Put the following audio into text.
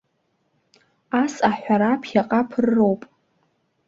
Ас аҳәара ԥхьаҟа ԥырроуп.